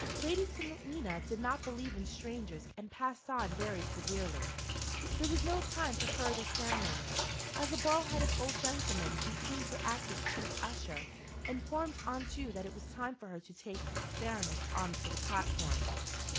Lady Selina did not believe in strangers and passed on very severely. There was no time for further ceremonies, as a bald headed old gentleman, who seemed to act as chief usher, informed Aunt Ju that it was time for her to take the Baroness on to the platform.